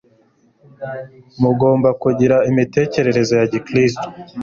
mugomba kugira imitekerereze ya kristo